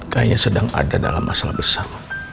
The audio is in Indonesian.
kayaknya sedang ada dalam masalah besar